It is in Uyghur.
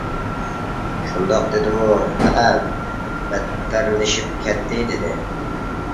شۇنداق دېدىمۇ؟ -ھەئە، بەتتەرلىشىپ كەتتى، دېدى.